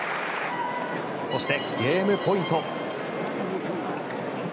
そして、ゲームポイント。